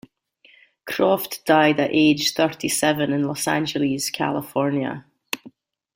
Croft died at age thirty-seven in Los Angeles, California.